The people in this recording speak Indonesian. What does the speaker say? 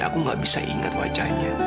aku gak bisa ingat wajahnya